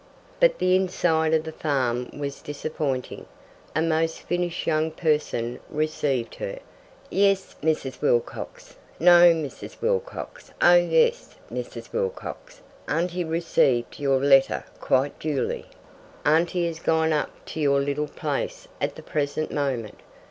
But the inside of the farm was disappointing. A most finished young person received her. "Yes, Mrs. Wilcox; no, Mrs. Wilcox; oh yes, Mrs. Wilcox, auntie received your letter quite duly. Auntie has gone up to your little place at the present moment.